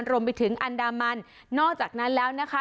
รวมไปถึงอันดามันนอกจากนั้นแล้วนะคะ